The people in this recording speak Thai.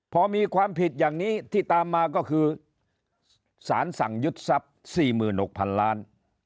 พอมีความผิดอย่างนี้ที่ตามมาก็คือสารสั่งยึดทรัพย์๔๖๐๐๐ล้าน